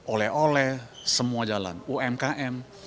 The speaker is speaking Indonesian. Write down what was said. oleh oleh semua jalan umkm